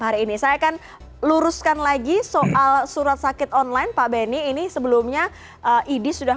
hari ini saya akan luruskan lagi soal surat sakit online pak benny ini sebelumnya idi sudah